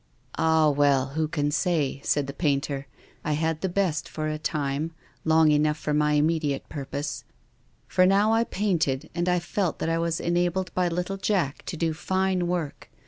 " Ah, well, who can say ?" said the painter. " I had the best for a time — long enough for my im mediate purpose ; for now I painted, and I felt that I was enabled by little Jack to do fine work.